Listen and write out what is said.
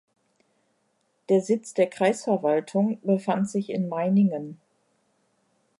Der Sitz der Kreisverwaltung befand sich in Meiningen.